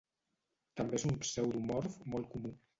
També és un pseudomorf molt comú.